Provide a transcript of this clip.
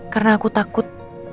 karena aku takut